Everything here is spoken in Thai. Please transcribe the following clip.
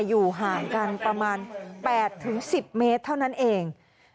อยู่ห่างกันประมาณ๘๑๐เมตรเท่านั้นเอง